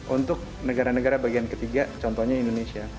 untuk negara negara bagian ketiga contohnya indonesia